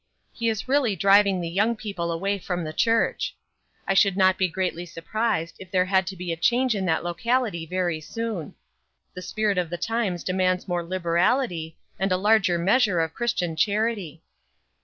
He is really driving the young people away from the church. I should not be greatly surprised if there had to be a change in that locality very soon. The spirit of the times demands more liberality, and a larger measure of Christian charity."